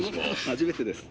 初めてです。